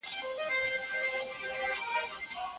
ما د مکتب په وخت کي کتاب واخيست.